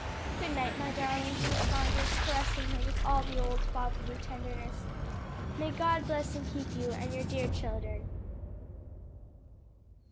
"Good night, my darling," he responded, caressing her with all the old, fatherly tenderness. "May God bless and keep you and your dear children."